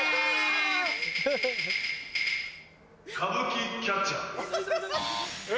・・歌舞伎キャッチャー・え！